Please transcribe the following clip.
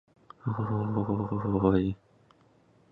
有两个人在推销产品